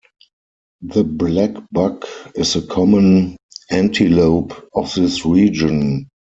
The blackbuck is a common antelope of this region.